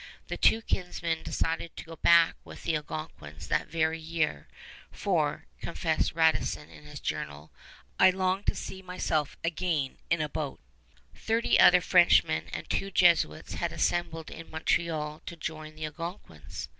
The two kinsmen decided to go back with the Algonquins that very year; for, confessed Radisson in his journal, "I longed to see myself again in a boat." Thirty other Frenchmen and two Jesuits had assembled in Montreal to join the Algonquins.